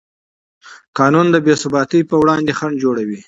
قانون د بېثباتۍ پر وړاندې خنډ جوړوي.